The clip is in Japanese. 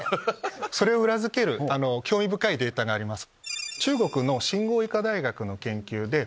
それを裏付ける興味深いデータがあります。